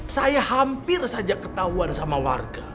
saya hampir saja ketahuan sama warga